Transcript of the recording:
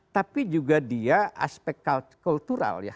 tapi juga dia aspek kultural ya